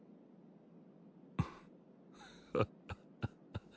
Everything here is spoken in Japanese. んハハハハ。